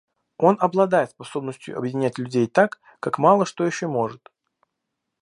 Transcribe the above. Он обладает способностью объединять людей так, как мало что еще может.